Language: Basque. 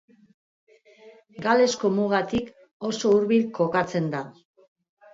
Galesko mugatik oso hurbil kokatzen da.